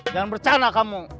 jangan bercana kamu